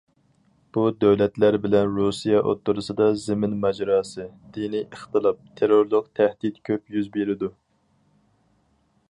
بۇ دۆلەتلەر بىلەن رۇسىيە ئوتتۇرىسىدا زېمىن ماجىراسى، دىنىي ئىختىلاپ، تېررورلۇق تەھدىت كۆپ يۈز بېرىدۇ.